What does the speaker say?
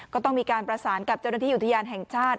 ก็ต้องมีการประสานกับเจ้าหน้าที่อุทยานแห่งชาติ